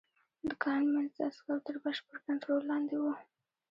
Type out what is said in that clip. د کان منځ د عسکرو تر بشپړ کنترول لاندې و